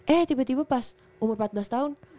eh tiba tiba pas umur empat belas tahun